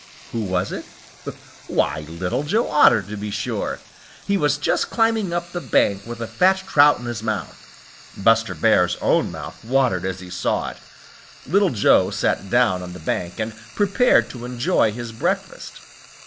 Who was it? Why, Little Joe Otter to be sure. He was just climbing up the bank with the fat trout in his mouth. Buster Bear's own mouth watered as he saw it. Little Joe sat down on the bank and prepared to enjoy his breakfast.